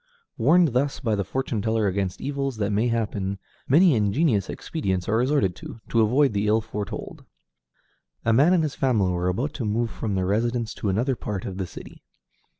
Warned thus by the fortune teller against evils that may happen, many ingenious expedients are resorted to, to avoid the ill foretold. A man and his family were about to move from their residence to another part of the city.